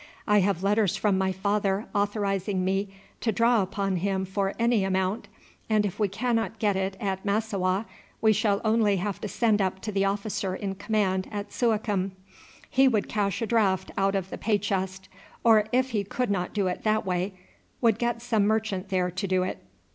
I have letters from my father authorizing me to draw upon him for any amount, and if we cannot get it at Massowah we shall only have to send up to the officer in command at Suakim; he would cash a draft out of the pay chest; or if he could not do it that way, would get some merchant there to do it."